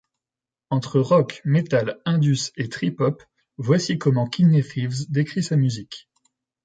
Entre rock, metal, indus et trip-hop, voilà comment Kidneythieves décrit sa musique.